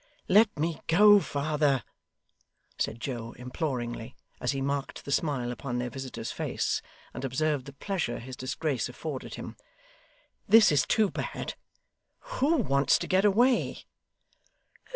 'Let me go, father,' said Joe, imploringly, as he marked the smile upon their visitor's face, and observed the pleasure his disgrace afforded him. 'This is too bad. Who wants to get away?